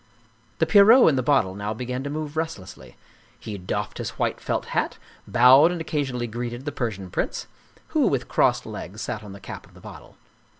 The Pierrot in the bottle now began to move restlessly. He doffed his white felt hat, bowed and occasionally greeted the Persian prince, who with crossed legs sat on the cap of the bottle.